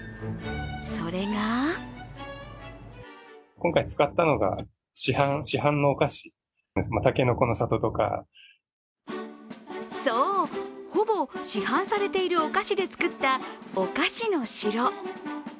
それがそう、ほぼ市販されているお菓子で作った、お菓子の城。